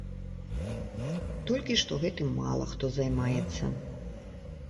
Толькі што гэтым мала хто займаецца.